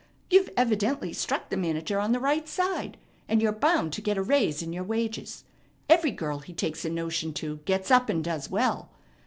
You've evidently struck the manager on the right side, and you're bound to get a rise in your wages. Every girl he takes a notion to gets up and does well.